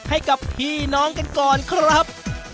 ให้กับพี่น้องกันก่อนครับ